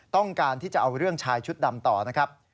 ต้องการที่จะเอาเรื่องชายชุดดำต่อนะครับ